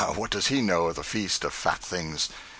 what does he know of the feast of fat things?)